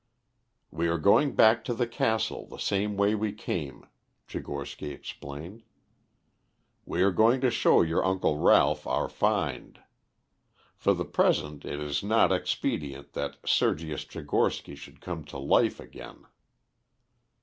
"We are going back to the castle the same way we came," Tchigorsky explained. "We are going to show your uncle Ralph our find. For the present it is not expedient that Sergius Tchigorsky should come to life again."